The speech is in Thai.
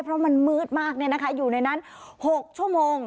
เพราะมันมืดมากเนี่ยนะคะอยู่ในนั้นหกชั่วโมง